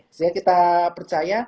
sehingga kita percaya